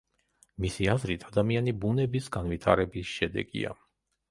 მისი აზრით, ადამიანი ბუნების განვითარების შედეგია.